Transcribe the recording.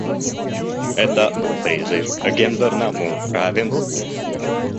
Это был призыв к гендерному равенству.